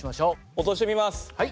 落としてみます。